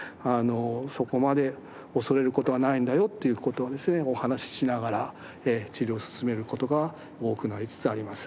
そこまで恐れる事はないんだよっていう事をですねお話ししながら治療を進める事が多くなりつつあります。